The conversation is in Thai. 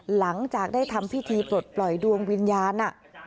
หลังจากได้ทำพิธีปลดปล่อยดวงวิญญาณ